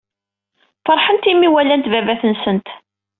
Feṛḥent mi walant baba-tnsent.